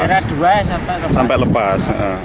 tidak ada dua sampai lepas